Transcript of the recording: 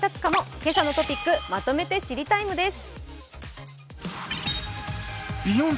「けさのトピックまとめて知りＴＩＭＥ，」です。